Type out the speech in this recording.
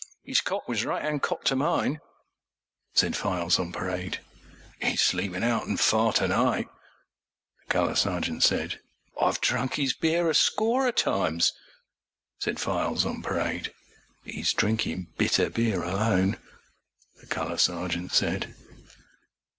â'Is cot was right 'and cot to mineâ, said Files on Parade. â'E's sleepin' out an' far to nightâ, the Colour Sergeant said. âI've drunk 'is beer a score o' timesâ, said Files on Parade. â'E's drinkin' bitter beer aloneâ, the Colour Sergeant said.